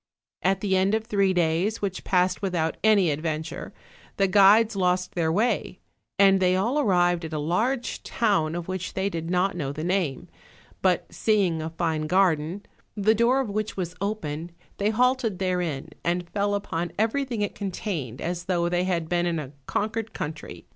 At the end of three days, which passed without any ad venture, the guides lost their way, and they all arrived at a large town of which they did not know the name; but seeing a fine garden, the door of which was open, they halted therein and fell upon everything it contained as though they had been in a conquered country.